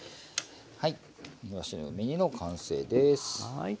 はいいわしの梅煮の完成です。